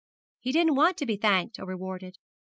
'He didn't want to be thanked or rewarded.